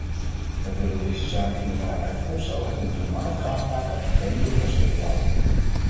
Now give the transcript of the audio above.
Wij willen deze zaak inderdaad uit kostenoogpunt doelmatig aanpakken en geen luchtkastelen bouwen.